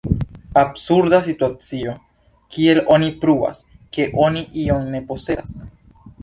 Absurda situacio: kiel oni pruvas, ke oni ion ne posedas?